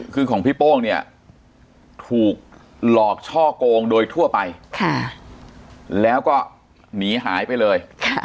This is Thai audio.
คือของพี่โป้งเนี่ยถูกหลอกช่อกงโดยทั่วไปแล้วก็หนีหายไปเลย